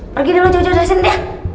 pergi dulu jauh jauh dari sini deh